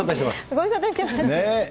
ご無沙汰してます。